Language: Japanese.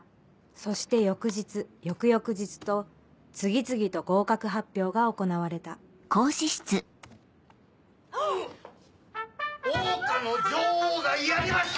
そして翌日翌々日と次々と合格発表が行われた桜花の女王がやりました！